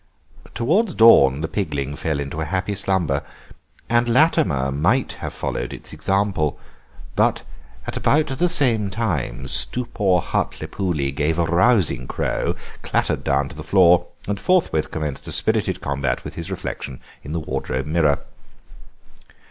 Towards dawn the pigling fell into a happy slumber, and Latimer might have followed its example, but at about the same time Stupor Hartlepooli gave a rousing crow, clattered down to the floor and forthwith commenced a spirited combat with his reflection in the wardrobe mirror.